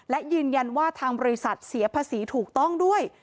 และยืนยันว่าทางบริษัทเสียภาษีถูกต้องด้วย